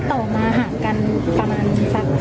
ทีหลังปืนใช่ค่ะแล้วถ้านัดต่อมาพี่ได้ยินตอนยินเลย